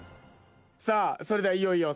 さあそれではいよいよ。